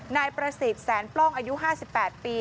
นายประสิทธิ์แสนปล้องอายุ๕๘ปี